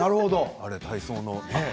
あれは体操のね。